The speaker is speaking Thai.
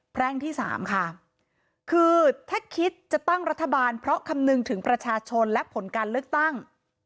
แพร่งที่สามค่ะคือถ้าคิดจะตั้งรัฐบาลเพราะคำนึงถึงประชาชนและผลการเลือกตั้ง